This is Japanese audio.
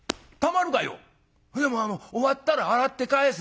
「でもあの終わったら洗って返す」。